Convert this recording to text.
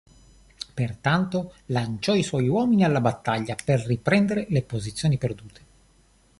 Pertanto lanciò i suoi uomini alla battaglia per riprendere le posizioni perdute.